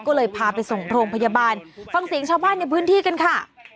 ก็เลยพาไปส่งโรงพยาบาลฟังเสียงชาวบ้านในพื้นที่กันค่ะ